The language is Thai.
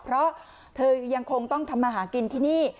เพราะเธอยังคงต้องทำมาหากินที่นี่